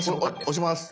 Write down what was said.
押します。